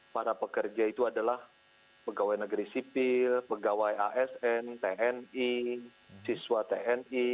para pekerja itu adalah pegawai negeri sipil pegawai asn tni siswa tni